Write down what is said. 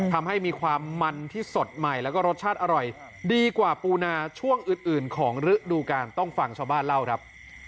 ทำให้มีความมันที่สดใหม่แล้วก็รสชาติอร่อยต้องฟังชาวบ้านเล่าครับ